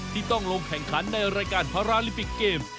ที่ต้องลงแข่งขันในรายการพาราลิมปิกเกม